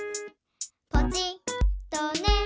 「ポチッとね」